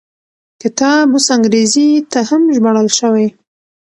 کتاب اوس انګریزي ته هم ژباړل شوی.